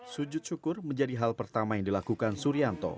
sujud syukur menjadi hal pertama yang dilakukan suryanto